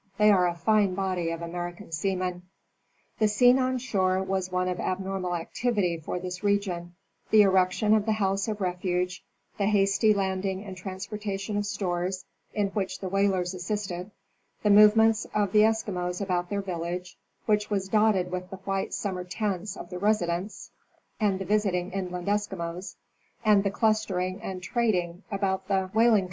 They are a fine body of American seamen. The scene on shore was one of abnormal activity for this region, the erection of the house of refuge, the hasty landing and transportation of stores (in which the whalers assisted), the movements of the Eskimos about their village (which was dotted with the white summer tents of the residents and the visiting inland Eskimos), and the clustering and trading about the Whaling 182 National Geographic Magazine.